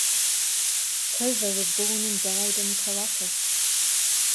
Tovar was born and died in Caracas.